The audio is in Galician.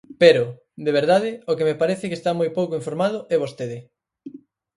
Pero, de verdade, o que me parece que está moi pouco informado é vostede.